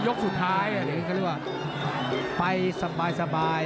แม่ก็ดีกว่า